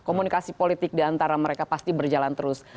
komunikasi politik di antara mereka pasti berjalan terus